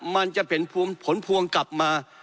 มันจะเป็นผลพวงกลับมา